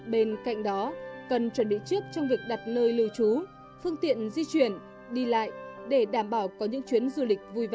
bên cạnh đó cần chuẩn bị trước trong việc đặt nơi lưu trú phương tiện di chuyển đi lại để đảm bảo có những chuyến du lịch vui vẻ